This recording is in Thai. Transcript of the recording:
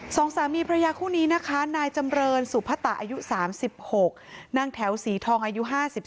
สองสามีพระยาคู่นี้นะคะนายจำเรินสุพตะอายุ๓๖นางแถวสีทองอายุ๕๓